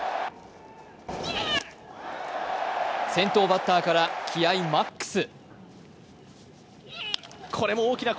先頭バッターから気合いマックス。